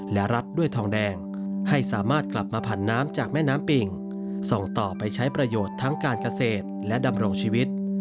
และรับด้วยทองแดงให้สามารถกลับมาผันน้ำจากแม่น้ำปิ่งส่งต่อไปใช้ประโยชน์ทั้งการเกษตรและดำรงชีวิต